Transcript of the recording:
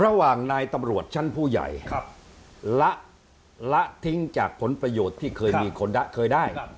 ระหว่างนายตำรวจชั้นผู้ใหญ่ละทิ้งจากผลประโยชน์ที่เคยมีคนเคยได้